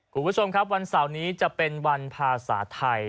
คุณผู้ชมครับวันเสาร์นี้จะเป็นวันภาษาไทย